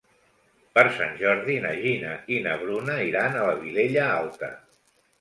Per Sant Jordi na Gina i na Bruna iran a la Vilella Alta.